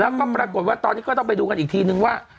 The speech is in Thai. แล้วก็ปรากฏว่าตอนนี้ก็ต้องไปดูกันอีกทีนึงว่า